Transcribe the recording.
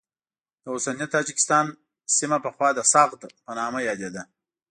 د اوسني تاجکستان سیمه پخوا د سغد په نامه یادېده.